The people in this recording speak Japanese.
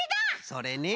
それね。